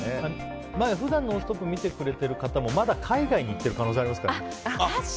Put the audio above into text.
普段、「ノンストップ！」を見てくれてる方もまだ海外に行ってる可能性ありますからね。